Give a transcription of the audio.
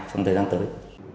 trong thời gian tới